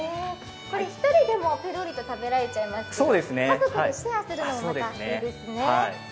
これ、１人でもペロリと食べられますが家族でシェアするのもまた、いいですね。